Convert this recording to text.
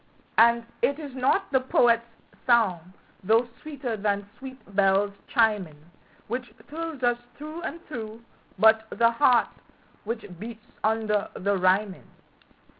And it is not the poet's song, though sweeter than sweet bells chiming, Which thrills us through and through, but the heart which beats under the rhyming.